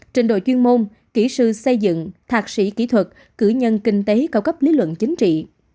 trình đội chuyên môn kỹ sư xây dựng thạc sĩ kỹ thuật cử nhân kinh tế cao cấp lý luận chính trị